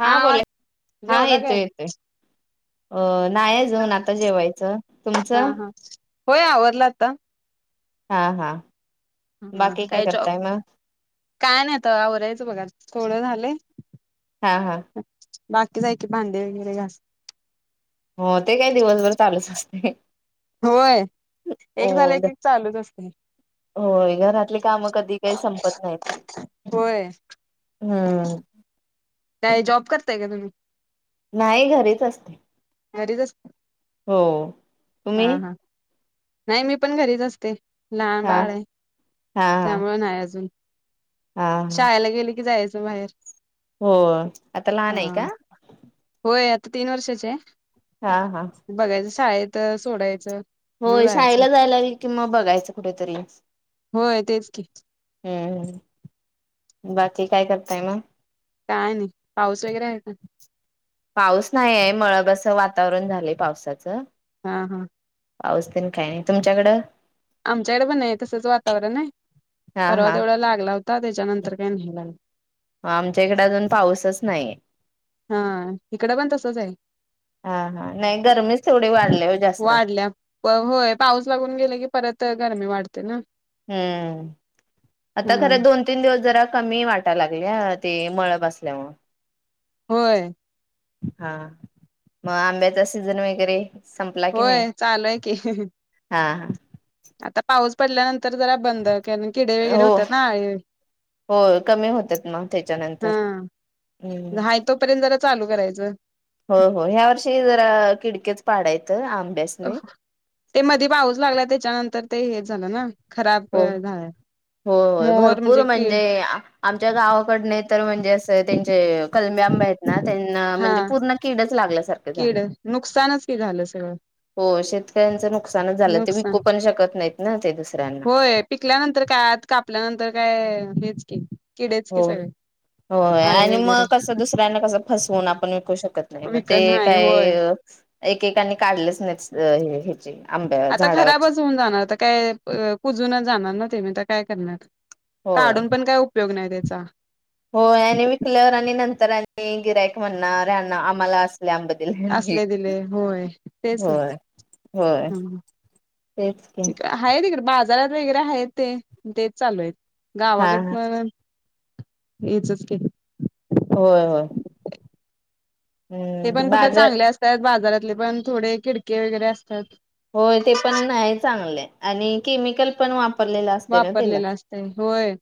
हा बोला हा जेवला काय येतोय येतोय. अं नाही जाऊन आता जेवायचं हा तुमचं? हा होय आवरल आता. हा हा. ह बाकी काय जॉब करताय मग काय नाहीता आवरायचं बघा थोडं झालंय. हा हा. बाकीच आहे की भांडी वगैरे घासायची. हो ते काय दिवसभर चालूच असतय. होय एक झालं कि एक चालूच असतय. होय घरातली काम कधी काही संपत नाहीत त होय हम्म. काय जॉब करताय काय तुम्ही? नाही घरीच असते. घरीच अस हो तुम्ही? नाही मी पण घरीच असते लहान हा बाळ आहे हा हा त्यामुळे नाही अजून. हा हा शाळेला गेले की जायचं बाहेर. हो, आता लहान आहे हा का? होय आता तीन वर्षाची आहे. हा हा. बघायचं शाळेत सोडायचं. मग होय, जायचं शाळेला जायला लागली की मग बघायचं कुठेतरी. होय तेच की हम्म, बाकी काय करताय मग? काय नाही, पाऊस वगैरे आहे का पाऊस नाहीये, मळभ असं वातावरण झालंय पावसाचं... हा-हा. पाऊस तर काही नाही, तुमच्याकडं? आमच्याकडे पण आहे तसंच वातावरण आहे. हा परवा हा तेवढा लागला होता, त्याच्यानंतर काही नाही लागला. आमच्या इकडे अजून पाऊसच नाहीये. हा, इकडं पण तसच आहे. हा हा नाही गरमीच तेवढी वाढली हो जास्त वाढल्या, होय, पाऊस लागून गेला की परत गरमी वाढते ना! हम्म, हा आता खरं दोन तीन दिवस जरा कमी वाटायला लागलय, ते मळभ असल्यामुळे... होय! हा, मग आंब्याचा सीझन वगैरे संपला की नाही? होय चालू आहे की हा-हा. आता पाऊस पडल्यानंतर जरा बंद, कारण किडे वगैरे होतात ना, अळी होय, कमी होतात मग हा त्याच्यानंतर, हम्म. हाय तोपर्यंत जरा चालू करायचं. होय-होय, ह्या वर्षी जरा किडकेच पाड आहेत. [inaudible] ते मधे पाऊस लागला, त्याच्यानंतर ते हेच झालं ना.... खराब झालं. हो-होय, मोर भरपूर कीड म्हणजे, आमच्या गावाकडनं तर म्हणजे, असं त्यांचे कल आंबे आहेत ना, त्यांना... हा म्हणजे पूर्ण किडच लागल्यासारखे झाले. कीड... नुकसानच कि झालं सगळं! हो, शेतकऱ्यांचं नुकसानच झालं, ते नुकसान विकू पण शकत नाहीत ना ते दुसऱ्यांना. होय पिकल्यानंतर काय, आत कापल्यानंतर काय... हेच की! किडेच की सगळे हो-होय, आळे आणि मग वगैरे कसं, दुसऱ्यांना कसं फस फोन आपण विकू शकत नाही, मग विकत ते नाही होय काय... एकेकांनी काढलेच नाहीत हे-ह्याची आता खराबच होऊन जाणार! तर काय, कुजूनच जाणार ना ते? मी तर काय करणार? होय काढून पण काय उपयोग नाही त्याचा. होय, आणि विकल्यावर, आणि नंतर आणि गिऱ्हाईक म्हणणार, यांना, आम्हाला अस [inaudible] होय असले दिले होय तेच ना होय. हम्म. तेचकी. आहे तिकडे बाजारात वगैरे आहेत ते, तेच चालू आहेत, हा हा. गावाकडनं यायचस की. होय-होय. ते पण कुठे चांगले असतात? बाजारातले पण थोडे कीडके वगैरे असतात. होय, ते पण नाही चांगले, आणि केमिकल पण वाप वापरलेलं असतंय, होय,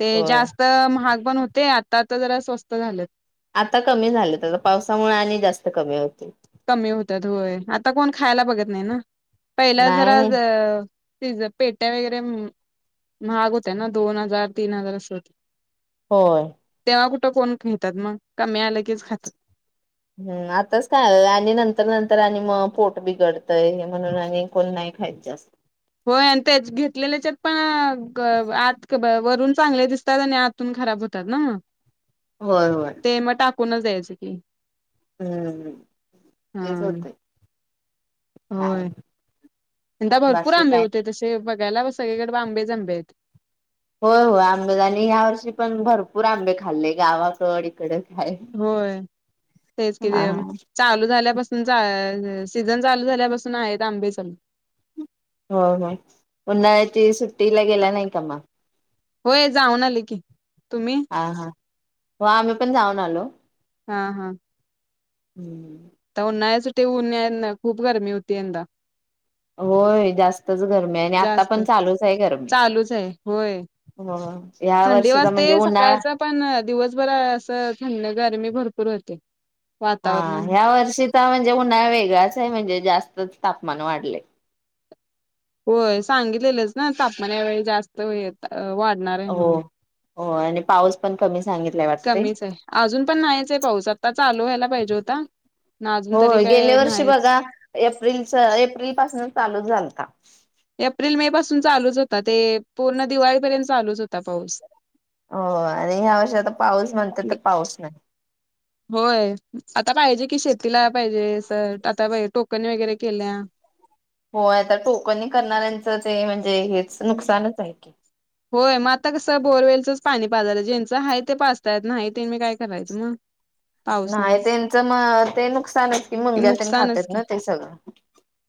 ते होय जास्त महाग पण होते आत आत्ता तर जरा स्वस्त झालेत. आता कमी झालेत, पावसामुळे आणि जास्त कमी होतील. कमी होतात. होय, आता कोण खायला बघत नाही ना. पहिला नाही नाही जरा-ज पेट्या वगैरे ते महाग होतय ना दोन हजार, तीन हजार अस होतय. होय. तवा कुठं कोण थुंकत्यात मग कमी आलं कीच खातात. हम्म आताच काय? आणि नंतर नंतर आणि मग पोट बिघडतय, म्हणून आणि कोण नाही खायचे असतय. होय आणि तेच घेतलेलेच्यात, पण ग आ आत ग ब वरून चांगले दिसतात आणि आतून खराब होतात ना मग. व्हय व्हय. कुणा जायचं की? हम्म हम्म हा तेच होतय. होय काय यंदा भरपुर बाकी आंबे काय होते तसे बघ. आल्यावर सगळीकडे आंबे च आंबे आहेत. होय होय आंबेच आणि ह्या वर्षी पण भरपूर आंबे खाल्ले. गावाकड इकडच होय तेच की हा म चालू झाल्यापासन [unintelligible] सीझन चालू झाल्यापासून आहेत आंबे चालू हो हो उन्हाळ्याची सुट्टीला गेला नाही का मग? होय जाऊन आले की तुम्ही? हा हा हो आम्ही पण जाऊन आलो. हा हा. हम्म. तर उन्हाळ्यासाठी उन यान खूप गरमी होती यंदा होय जास्तच गरमी आहे आणि आता जास्त पण चालूच हाय गरमी चालूच आहे होय हो ह्या थंडी वर्षीचा वाजते म्हणजे उन्हाळा सकाळच पण दिवसभर असं थंड गरमी भरपू पुर येतय. हा ह्या वर्षीचा म्हणजे उन्हाळा वेगळाच आहे म्हणजे जास्तच तापमान वाढलय. होय सांगितलेलंच ना तापमान यावेळी जास्त हे वाढणार हाय हो म्हणून हो आणि पाऊस पण कमीच कमीच हाय अजून पण नाहीच, हाय पाऊस आता चालू व्हायला पाहिजे होता. ना अजून तरी होय काय गेल्या वर्षी नाहीच बघा एप्रिलच एप्रिल पासन चालू झालता. एप्रिल मे पासून चालूच होता, ते पूर्ण दिवाळीपर्यंत चालूच होता पाऊस होय आणि ह्या वर्षी आता पाऊस म्हणत्यात तर पाऊस नाही. होय आता पाहिजे कि शेतीला पाहिजे स आता टोकन वगैरे केल्या होय आता टोकनी करणाऱ्यांचं, ते म्हणजे हेच नुकसानच हाय की होय म आता कसं बोरवेलचच पाणी पाजाल्यात ज्याचं हाय त्यांनी पाजतात नाही त्यांनी काय करायचं म. नाही त्यांचं म ते नुकसानच कि की मुंग्या तेन नुकसानच खात्यात की ना ते सगळ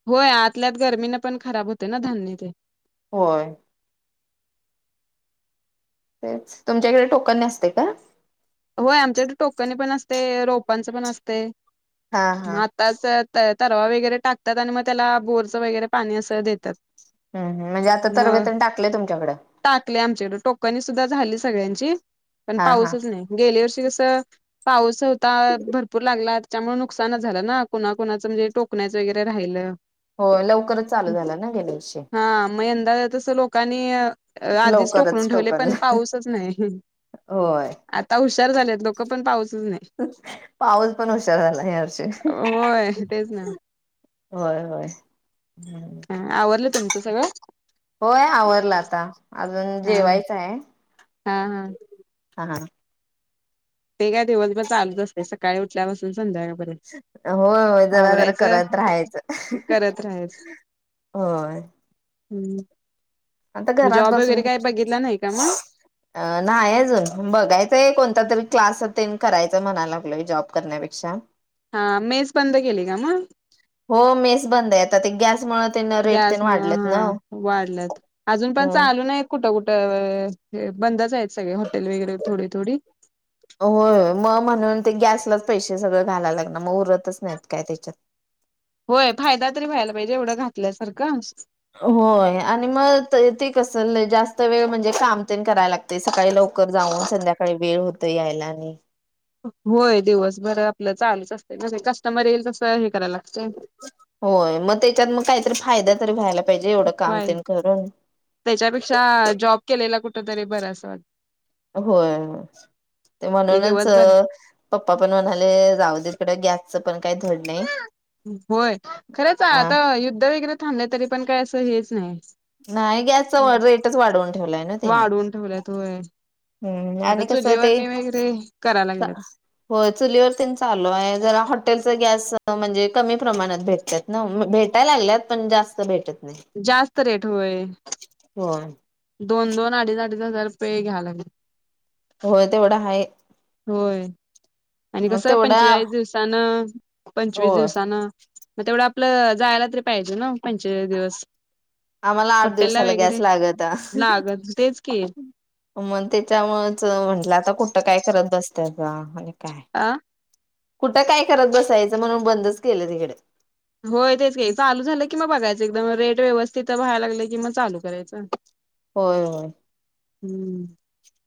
होय आतल्याआत गर्मीन पण खराब होतय ना धान्य ते होय. तेच तुमच्याकडे टोकनी असते का? होय आमच्या इत टोकनीपण असतय रोपांच पण असतय. हा म हा आताच तत तरवा वगैरे टाकतात आणि मग त्याला बोरचं वगैरे पाणी असं देत्यात. हम्म म्हणजे आता तरवे मग तेन टाकले तुमच्याकडं टाकले आमच्याकड टोकनी सुद्धा झाली. सगळ्यांची पण हा हा पाऊसच नाही. गेल्या वर्षी कस पाऊस होता भरपूर लागला, त्याच्यामुळे नुकसानच झालं ना कुणाकुनाच ते टोकण्याच वगैरे राहिलं. हो लवकरच चालू झालं ना गेल्या वर्षी त तसं लोकांनी अ आधीच टोकूनुन लवकरच ठेवलय पण टोकनला पाऊसच न्हायी होय. आता हुशार झालेत लोकं पण पाऊस हं अ पाऊस पण हुशार झालाय या वर्षी. होय तेच ना होय होय. ह आवरलं तुमचं सगळं. होय आवरल आता अजून हा जेवायच हाय. हा हा हा हा. ते काय दिवसभर चालूच असतय सकाळी उठल्यापासून. संध्याकाळपर्यंत होय होय जरा जरा आवरायचं करत राहायचंहं करत राहायचं अ हम्म. होय. हम्म. आता घरात जॉब बसून वगैरे काय श्श बघितला नाही का मग अ न्हाई अजून बघायचंय कोणता तरी क्लास आ. तेन करायच म्हणाय लागलोय जॉब करण्यापेक्षा. हा मेस बंद केली का मग. हो मेस बंदय आता ते गॅस मुळे तेन रेट गॅस तेन वाढलेत हा ना. वाढल्यात अजून पण अं चालू न्हय कुठ कुठ अ बंदच अय. होय मग म्हणून ते गॅस. त्यालाच पैशे सगळं घालायला लागणार मग उरतच न्हय काय त्याच्यात. होय फायदा तरी व्हायला पाहिजे एवढं घातल्यासारखं. होय आणि मग त ते कस लय जास्त वेळ म्हणजे काम तेन कराय लागतय सकाळी लव लवकर जाऊन संध्याकाळी वेळ होतय यायला आणि. होय दिवसाभर आपलं चालूच असतय कस्टमर येईल तस हे. करायला लागतंय होय मग त्याच्यात मग कायतर फायदा तरी व्हायला पाहिजे एवढं काम व्हय तेन करून त्याच्यापेक्षा जॉब केलेला कुठतरी बर अस वाटतय. होय. ते म्हणूनच पप्पा पण म्हणाले जाऊदरकडे ग्या होय खरंच अ आता युद्ध वगैरे थांबलं तरी पण काही असं हेच नाही. नाही गॅसचा रेटच वाढवून ठेवलाय ना त्यांनी. वाढवून ठेवल्यात होय हम्म आता आणि कस ते चुलीवरणी वगैरे करायला चा लागल्यात चुलीवरती चालू आहे, जरा हॉटेल. त गॅस म्हणजे कमी प्रमाणात भेटत भेटायला लागल्यात पण जास्त भेटत नाही. जास्त रेट होय होय दोन दोन अडीच. अडीच हजार रुपये घ्यायला लागल्यात. होय तेवढा हाय. होय आणि मग कसं तेवढा पंचेचाळीस दिवसान पंचवीस होय दिवसानं. मग तेवढं आपलं जायला तरी पाहिजे ना पंचेचाळीस दिवस. आम्हाला आठ हॉटेलला दिवसाला गॅस वगैरे लागत. लागत तेच की मग त्याच्यामुळे म्हंटलं आता कुठं काय करत बसत म्ह काय अ कुठं काय करत बसायचं म्हणून बंदच केलं तिकडे. होय तेच का चालू झालं कि म बघायच. एकदम रेट व्यवस्थित व्हाय लागल की, मग चालू करायचं. होय होय. हम्म.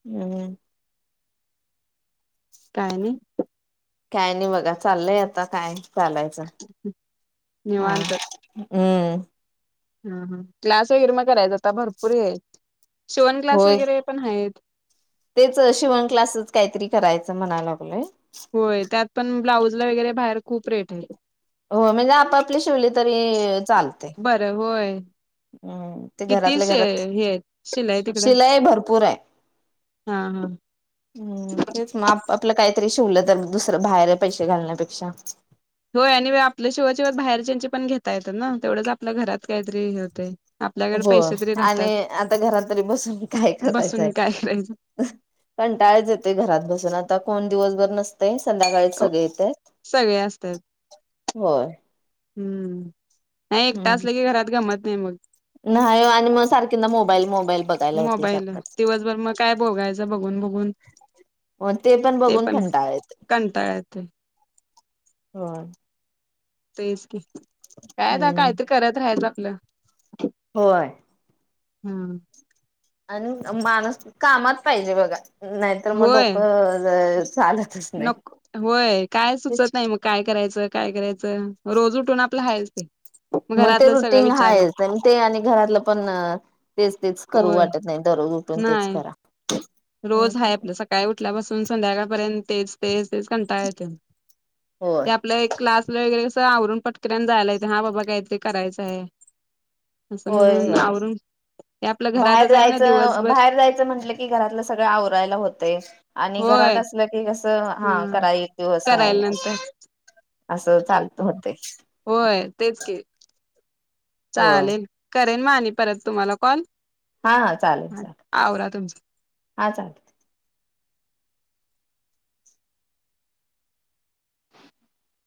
हम्म. काय नाही. काय नाही बघा चाललंय आता काय. चालायचं निवांत. हम्. ह ह क्लास वगैरे मग करायचा आता भरपूर आहे, शिवण क्लास होय वगैरे पण आहेत. तेच शिवण क्लासच काहीतरी करायचं म्हणायला लागलोय. होय त्यात पण ब्लाउज ला वगैरे बाहेर खूप रेट आहे. हो म्हणजे आपापली शिवले तरी चालते. बरं होय हम्म ते किती घरातल्या शे घरात हे आहेत शिलाई तिकडं शिलाई भरपूर आहे. हा हा हम्म तेच मग आप आपलं काय काहीतरी शिवलं तर दुसरं बाहेर पैसे घालण्यापेक्षा होय आणि आपल्या शिवाय शिवय बाहेरच्याचे पण घेता येतं ना, तेवढंच आपल्या घरात काय तरी. हो आणि राहतात आता घरातरी बसून काय करायचंय. बसून काय करायचं कंटाळाच येते घरात बसून आता कोण दिवसभर नसतय संध्याकाळी सगळे येत सगळे असतात होय. हम्म नाही एक हम्म तास लगे घ राात गमत नाही मग नाही आणि मग सारखींदा मोबाईल मो मोबाईल दिवसभर मग काय बोगायचं बघून बघून हो ते पण बघून खंटाळेत. कंटाळा येतोय हो तेच की काय हम्म काहीतरी करत राहायचं आपलं होय. हम्म. आणि माणूस कामात पाहिजे बघा. नाहीतर मग होय डोकं चालतच नाही. नक होय काय सुचत नाही मग काय करायचं. काय करायचं, रोज उठून आपलं हायच ते मग ते घरातलं सगळं रुटीन हाय विचारत ते आणि घरातलं पण तेच तेच करू होय वाटत नाही. ज उठून तेच नाही करा. रोज आहे आपला सकाळी उठल्यापासून संध्याकाळपर्यंत तेच तेच तेच कंटा येेत. ते होय आपल्या एक क्लास तु वगैरे अससं आवरून पटकऱ्यान जायला येते, हा बाबा काहीतरी करायचं आहे. असं होय म्हणून होय आवरून ते आपलं बाहेर घरातच आहे म्हणा जायचं दिवसभर बाहेर जायचं म्हंटलं की घरातलं सगळं आरायला होतय, आणि घरात होय अस की हा कराय येतंय असं करायला असं. नंतर असं चालत होते. होय तेच की चालेल करेन मा आणि परत तुम्हाला कॉल. हा हा चालेल ह चालेल आवरा तुमच. हा चालेल. [unintelligible]